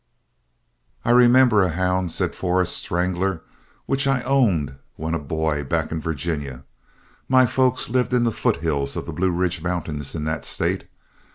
"I remember a hound," said Forrest's wrangler, "which I owned when a boy back in Virginia. My folks lived in the foot hills of the Blue Ridge Mountains in that state.